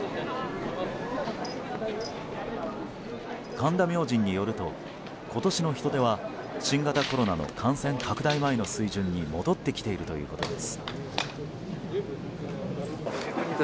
神田明神によると今年の人出は新型コロナの感染拡大前の水準に戻ってきているということです。